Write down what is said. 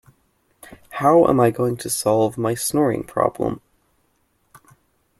How am I going to solve my snoring problem?